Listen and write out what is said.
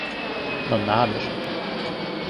Но надо же!